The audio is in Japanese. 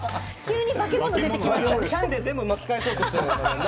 ちゃんで全部巻き返そうとしてる。